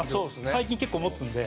最近結構もつので。